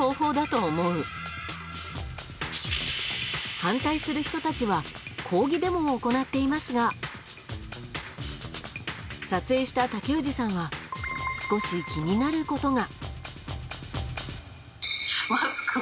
反対する人たちは抗議デモを行っていますが撮影した竹氏さんは少し気になることが。